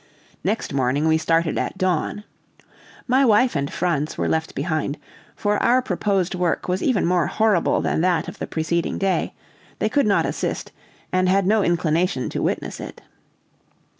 Next morning we started at dawn. My wife and Franz were left behind, for our proposed work was even more horrible than that of the preceding day; they could not assist, and had no inclination to witness it.